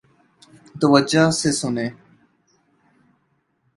توجہ سے سنیئے